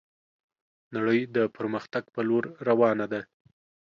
نړي د پرمختګ په لور روانه ده